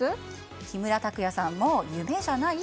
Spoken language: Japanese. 木村拓哉さん、もう夢じゃない？